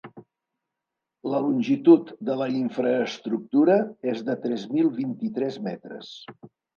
La longitud de la infraestructura és de tres mil vint-i-tres metres.